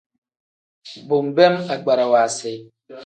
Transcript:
Bo nbeem agbarawa si.